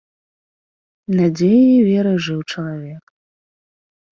Надзеяй і верай жыў чалавек.